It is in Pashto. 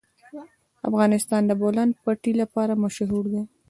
افغانستان د د بولان پټي لپاره مشهور دی.